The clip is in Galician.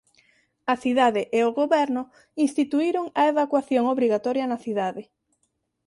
A cidade e o goberno instituíron a evacuación obrigatoria na cidade.